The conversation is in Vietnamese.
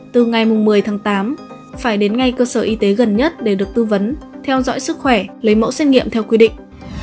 từ ngày một mươi tháng tám phải đến ngay cơ sở y tế gần nhất để được tư vấn theo dõi sức khỏe lấy mẫu xét nghiệm theo quy định